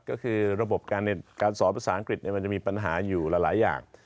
ก็คือระบบการสอนภาษาอังกฤษมันจะมีปัญหาอยู่หลายอย่าง